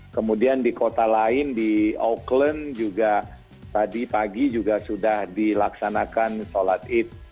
kemudian di kota lain di auckland juga tadi pagi juga sudah dilaksanakan sholat id